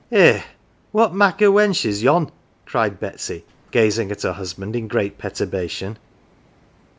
" Eh, what mak' of wench is yon ?" cried Betsy, gazing at her husband in great perturbation.